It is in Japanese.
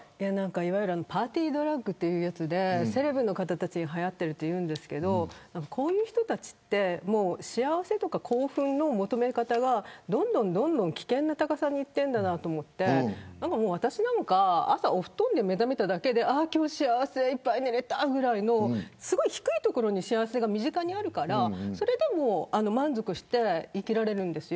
いわゆるパーティードラッグというやつでセレブの方たちにはやっているというんですがこういう人たちは幸せとか興奮の求め方がどんどん危険な高さにいってるんだなと思って私なんか朝布団で目覚めただけで幸せ、ぐらいのすごい低いところに幸せが身近にあるからそれで満足して生きられるんです。